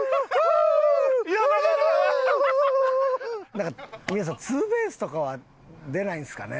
なんか皆さんツーベースとかは出ないんですかね？